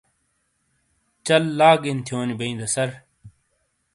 چَل لاگ ان تھونی بیی دا سر؟